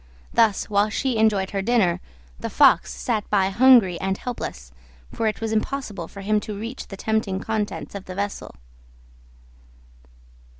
Thus, while she enjoyed her dinner, the Fox sat by hungry and helpless, for it was impossible for him to reach the tempting contents of the vessel.